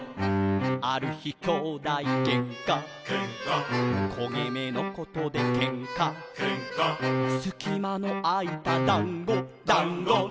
「ある日兄弟げんか」「けんか」「こげ目のことでけんか」「けんか」「すきまのあいただんご」「だんご」